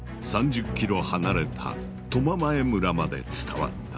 ３０ｋｍ離れた苫前村まで伝わった。